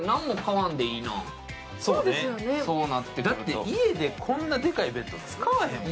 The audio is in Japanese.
だって、家でこんなでかいベッド使わへんもん。